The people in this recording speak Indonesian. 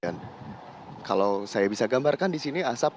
dan kalau saya bisa gambarkan di sini asap